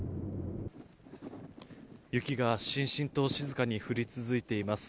雪がしんしんと静かに降り続いています。